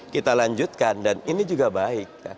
kita lanjutkan dan ini juga baik